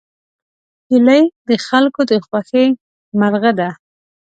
هیلۍ د خلکو د خوښې مرغه ده